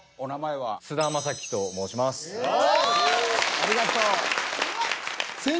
ありがとう。